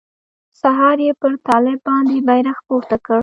سهار يې پر طالب باندې بيرغ پورته کړ.